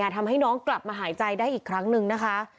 ทำให้น้องกลับมาหายใจได้อีกครั้งหนึ่งนะคะ